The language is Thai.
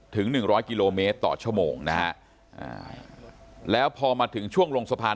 หนึ่งร้อยกิโลเมตรต่อชั่วโมงนะฮะแล้วพอมาถึงช่วงลงสะพาน